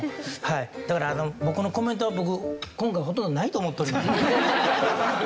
だから僕のコメントは僕今回ほとんどないと思っております。